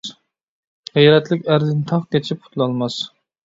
غەيرەتلىك ئەردىن تاغ قېچىپ قۇتۇلالماس.